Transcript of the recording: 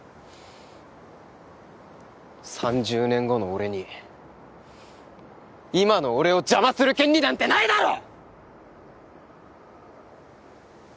３０年後の俺に今の俺を邪魔する権利なんてないだろ！！